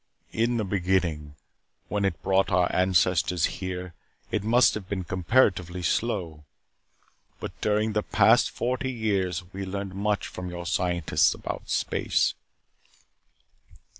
In the beginning, when it brought our ancestors here, it must have been comparatively slow. But during the past forty years we learned much from your scientists about space.